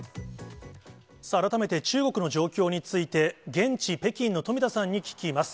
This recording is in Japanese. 改めて、中国の状況について、現地、北京の富田さんに聞きます。